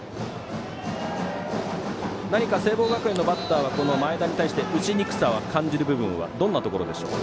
聖望学園のバッターは前田に対して打ちにくさを感じる部分はどんなところでしょう？